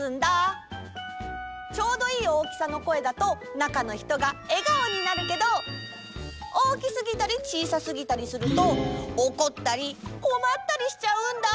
ちょうどいい大きさの声だとなかのひとがえがおになるけど大きすぎたりちいさすぎたりするとおこったりこまったりしちゃうんだ。